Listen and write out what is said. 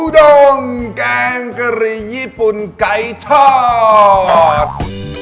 ดงแกงกะหรี่ญี่ปุ่นไก่ทอด